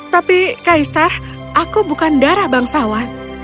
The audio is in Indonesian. tapi kaisar aku bukan darah bangsawan